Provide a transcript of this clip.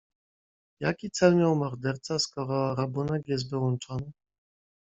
"Jaki cel miał morderca, skoro rabunek jest wyłączony?"